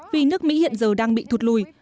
vì nước mỹ hiện giờ đang bị thụt lùi